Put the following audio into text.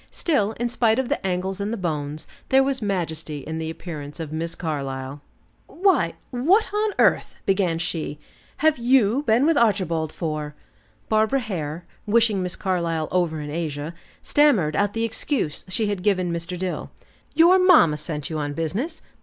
Still, in spite of the angles and the bones, there was majesty in the appearance of Miss Carlyle. "Why what on earth!" began she, "have you been with Archibald for?" Barbara Hare, wishing Miss Carlyle over in Asia, stammered out the excuse she had given Mr. Dill. "Your mamma sent you on business!